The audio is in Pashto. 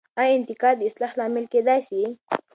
آیا انتقاد د اصلاح لامل کیدای سي؟